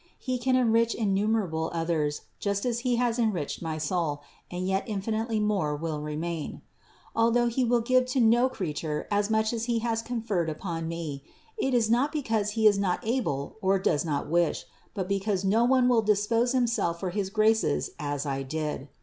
He can enrich innumer able others just as He has enriched my soul, and yet infinitely more will remain. Although He will give to no creature as much as He has conferred upon me, it is not because He is not able or does not wish, but because no one will dispose himself for his grace as I did.